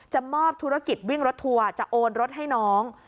มอบธุรกิจวิ่งรถทัวร์จะโอนรถให้น้อง